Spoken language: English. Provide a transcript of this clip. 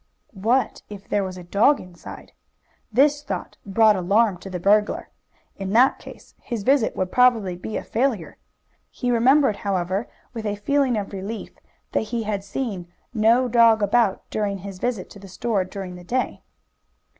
What if there was a dog inside? This thought brought alarm to the burglar. In that case his visit would probably be a failure. He remembered, however, with a feeling of relief, that he had seen no dog about during his visit to the store during the day.